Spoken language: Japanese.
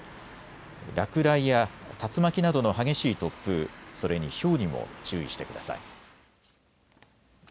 落雷や竜巻などの激しい突風、それにひょうにも注意してください。